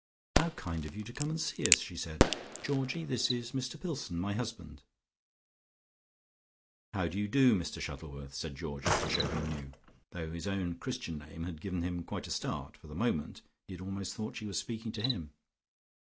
"How kind of you to come and see us," she said. "Georgie, this is Mr Pillson. My husband." "How do you do, Mr Shuttleworth," said Georgie to shew he knew, though his own Christian name had given him quite a start. For the moment he had almost thought she was speaking to him.